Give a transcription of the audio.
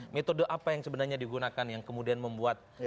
metode apa yang sebenarnya digunakan yang kemudian membuat